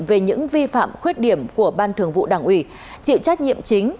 về những vi phạm khuyết điểm của ban thường vụ đảng ủy chịu trách nhiệm chính